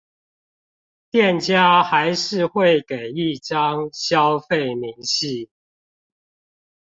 店家還是會給一張消費明細